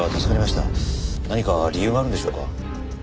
何か理由があるんでしょうか？